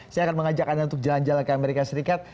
saya akan mengajak anda untuk jalan jalan ke amerika serikat